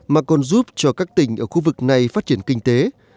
mà còn giúp cho các tỉnh ở khu vực này phát triển kinh tế